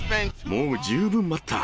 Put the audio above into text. もう十分待った。